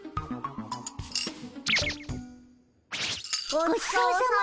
ごちそうさま。